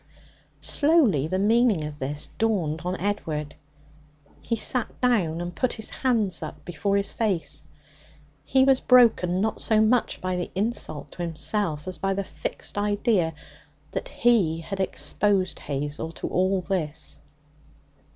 Slowly the meaning of this dawned on Edward. He sat down and put his hands up before his face. He was broken, not so much by the insult to himself as by the fixed idea that he had exposed Hazel to all this.